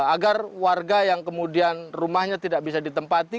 agar warga yang kemudian rumahnya tidak bisa ditempati